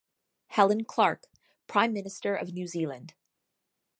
Helen Clark, Prime Minister of New Zealand.